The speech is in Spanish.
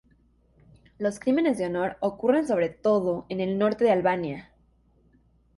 Los crímenes de honor ocurren sobre todo en el norte de Albania.